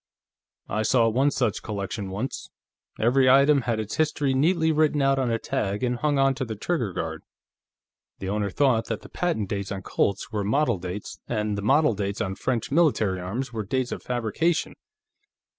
I saw one such collection, once; every item had its history neatly written out on a tag and hung onto the trigger guard. The owner thought that the patent dates on Colts were model dates, and the model dates on French military arms were dates of fabrication."